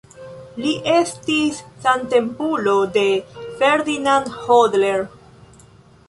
Li estis samtempulo de Ferdinand Hodler.